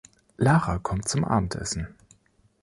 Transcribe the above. Lara kommt zum Abendessen.